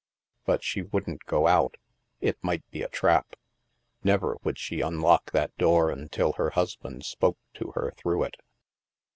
But she wouldn't go out. It might be a trap. Never would she unlock that door until her husband spoke to her through it.